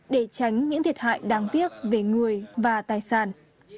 để tránh những thiệt hại đáng tiếc về người và tài sản